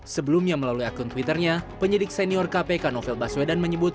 sebelumnya melalui akun twitternya penyidik senior kpk novel baswedan menyebut